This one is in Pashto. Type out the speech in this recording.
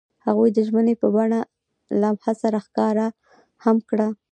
هغوی د ژمنې په بڼه لمحه سره ښکاره هم کړه.